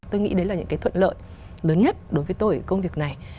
tôi nghĩ đấy là những cái thuận lợi lớn nhất đối với tôi ở công việc này